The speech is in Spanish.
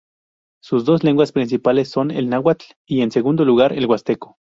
Sus dos lenguas principales son el náhuatl y, en segundo lugar, el huasteco.